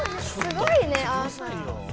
すごいねえ。